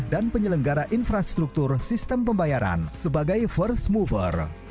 dan penyelenggara infrastruktur sistem pembayaran sebagai first mover